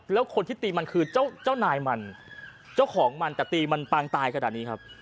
แล้วคนที่ตีมันคือเจ้าเจ้านายมันเจ้าของมันแต่ตีมันปางตายขนาดนี้ครับ